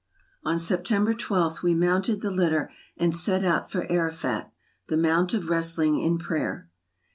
On September 12th, we mounted the litter and set out for Arafat, '« the Mount of Wrestling in Prayer.